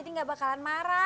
tadi gak bakalan marah